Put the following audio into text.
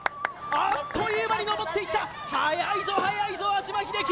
あっという間にのぼっていった速いぞ速いぞ安嶋秀生！